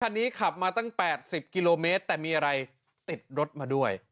คันนี้ขับมาตั้ง๘๐กิโลเมตรแต่มีอะไรติดรถมาด้วย